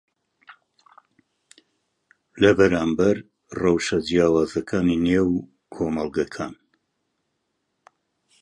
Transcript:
لەبەرامبەر ڕەوشە جیاوازەکانی نێو کۆمەڵگەکان